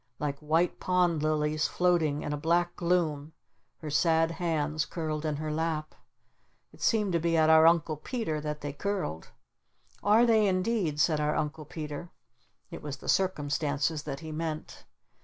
Like white pond lilies floating in a black gloom her sad hands curled in her lap. It seemed to be at our Uncle Peter that they curled. "Are they indeed?" said our Uncle Peter. It was the "circumstances" that he meant.